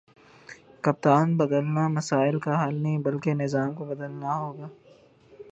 کپتان بدلنا مسائل کا حل نہیں بلکہ نظام کو بدلنا ہوگا